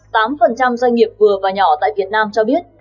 tám doanh nghiệp vừa và nhỏ tại việt nam cho biết